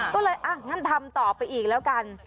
ก็เลยอ่ะงั้นทำต่อไปอีกแล้วกัน